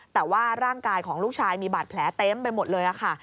แต่ว่าร่างกายของลูกชายมีบาดแผลเต็มไปหมดเลยค่ะ